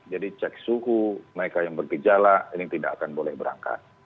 jadi cek suhu mereka yang bergejala ini tidak akan boleh berangkat